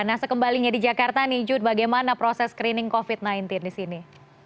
nah sekembalinya di jakarta nih jud bagaimana proses screening covid sembilan belas di sini